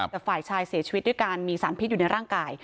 แต่ฝ่ายชายเสียชีวิตด้วยการมีสารพิษอยู่ในร่างกาย